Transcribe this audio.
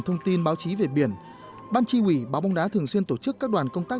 thông tin báo chí về biển ban tri ủy báo bóng đá thường xuyên tổ chức các đoàn công tác